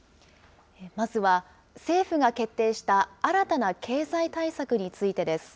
まずは、政府が決定した新たな経済対策についてです。